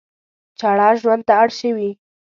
چړه ژوند ته اړ شوي.